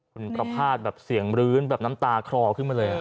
คุณประพาทแบบเสียงรื้นแบบน้ำตาคลอขึ้นมาเลย